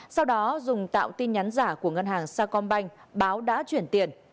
sau đó dùng tạo tin nhắn giả của ngân hàng sa công banh báo đã chuyển tiền